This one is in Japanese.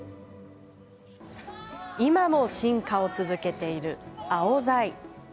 今も進化を続けるアオザイ。